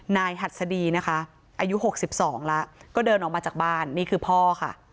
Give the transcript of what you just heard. หัดสดีนะคะอายุ๖๒แล้วก็เดินออกมาจากบ้านนี่คือพ่อค่ะ